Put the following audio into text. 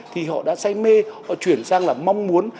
thì họ đã say mê họ chuyển sang là mong muốn